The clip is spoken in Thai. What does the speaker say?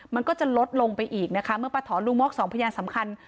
มันก็จะลดลงไปอีกนะคะเมื่อป้าถอนลุงมอกสองพยานสำคัญ